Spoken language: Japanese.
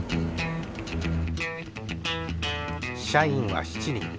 社員は７人。